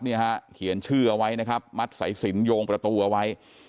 เนี่ยฮะเขียนชื่อเอาไว้นะครับมัดสายสินโยงประตูเอาไว้